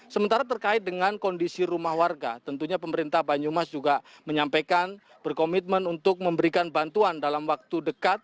sementara terkait dengan kondisi rumah warga tentunya pemerintah banyumas juga menyampaikan berkomitmen untuk memberikan bantuan dalam waktu dekat